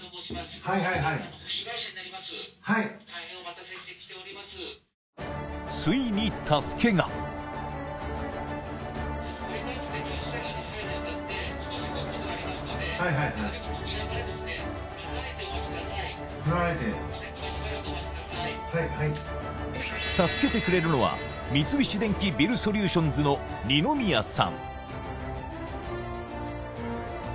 はいはいはいはいはいはい離れてはいはい助けてくれるのは三菱電機ビルソリューションズの二ノ宮さん